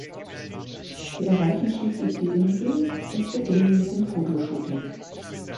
Sie erreichen schließlich die Insel und beginnen mit dem Fotoshooting.